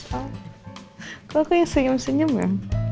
kau kok yang senyum senyum ya